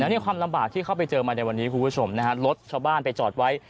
นี่ความลำบากที่เข้าไปเจอมาในวันนี้คุณผู้ชมนะฮะรถชาวบ้านไปจอดไว้